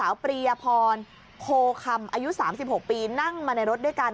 ปรียพรโคคำอายุ๓๖ปีนั่งมาในรถด้วยกัน